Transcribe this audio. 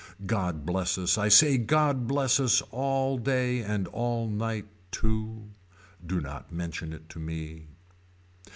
God bless us I say God bless us all day and all night too. Do not mention it to me.